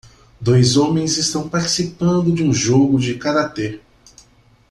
Dois homens estão participando de um jogo de karatê.